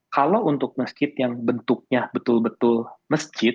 kalau untuk masjid yang bentuknya betul betul masjid